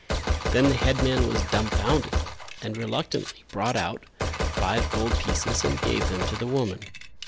Then the headman was dumbfounded and reluctantly brought out five gold pieces and gave them to the woman.